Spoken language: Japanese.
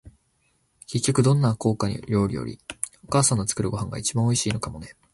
結局、どんなに高価な料理より、お母さんの作るご飯が一番おいしいのかもね。